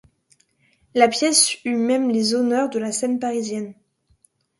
La pièce eut même les honneurs de la scène parisienne.